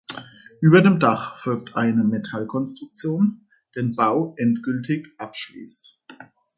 Über dem Dach folgt eine Metallkonstruktion, den Bau endgültig abschließt.